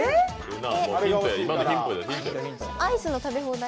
アイスの食べ放題？